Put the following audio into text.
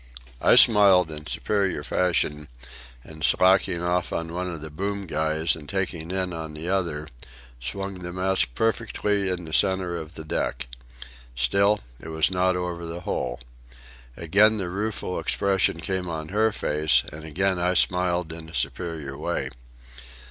I smiled in superior fashion, and, slacking off on one of the boom guys and taking in on the other, swung the mast perfectly in the centre of the deck. Still it was not over the hole. Again the rueful expression came on her face, and again I smiled in a superior way.